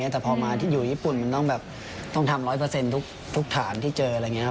แต่พอมาอยู่ญี่ปุ่นมันต้องทำ๑๐๐ทุกฐานที่เจอ